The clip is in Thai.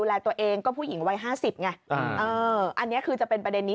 อันนี้คือจะเป็นประเด็นนี้